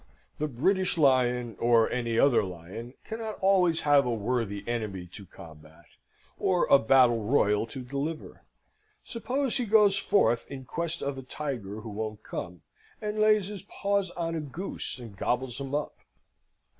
The British Lion, or any other lion, cannot always have a worthy enemy to combat, or a battle royal to deliver. Suppose he goes forth in quest of a tiger who won't come, and lays his paws on a goose, and gobbles him up?